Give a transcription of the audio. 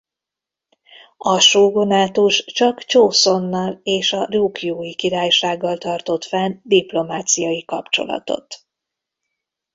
A sógunátus csak Csoszonnal és a Rjúkjúi Királysággal tartott fenn diplomáciai kapcsolatot.